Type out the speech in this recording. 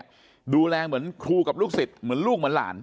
เห็นลูกเราเนี่ยดูแลเหมือนครูกับลูกสิทธิ์เหมือนลูกเหมือนหลาน